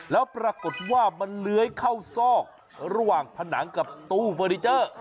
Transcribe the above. แล้วปรากฏว่ามันเลื้อยเข้าซอกระหว่างผนังกับตู้เฟอร์นิเจอร์